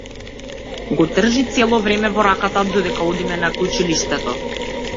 Го држи цело време во раката додека одиме накај училиштето.